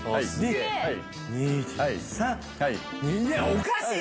おかしい